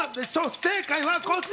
正解はこちら。